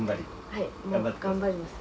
はい頑張ります。